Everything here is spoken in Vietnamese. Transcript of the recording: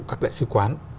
các đại sứ quán